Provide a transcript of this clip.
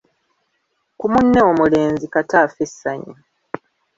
ku munne omulenzi, kata affe essanyu.